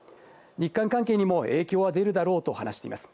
日韓関係にも影響は出るだろうと話しています。